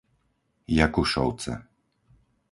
Jakušovce